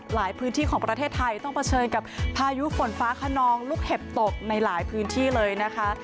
หลายพื้นที่ของประเทศไทยต้องเผชิญกับพายุฝนฟ้าขนองลูกเห็บตกในหลายพื้นที่เลยนะคะ